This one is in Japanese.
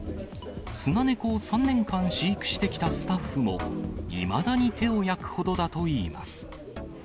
スナネコを３年間飼育してきたスタッフも、いまだに手を焼くほどだといいます。